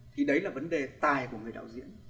thì đấy là vấn đề tài của người đạo diễn